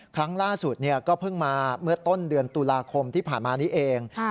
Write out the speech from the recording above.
ครั้งล่าสุดก็เพิ่งมาเมื่อต้นเดือนตุลาคมที่ผ่านมานี้เอง